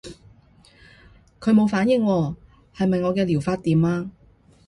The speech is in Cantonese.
佢冇反應喎，係咪我嘅療法掂啊？